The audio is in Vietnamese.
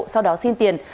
sau đó xin tiền